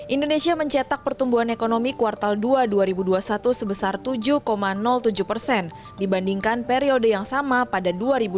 indonesia mencetak pertumbuhan ekonomi kuartal dua dua ribu dua puluh satu sebesar tujuh tujuh persen dibandingkan periode yang sama pada dua ribu dua puluh